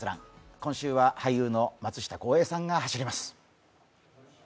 今週は俳優の松下洸平さんが走ります。